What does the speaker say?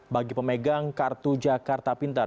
bagi pemegang kartu jakarta pintar